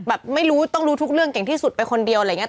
แบบไม่รู้ต้องรู้ทุกเรื่องเก่งที่สุดไปคนเดียวอะไรอย่างนี้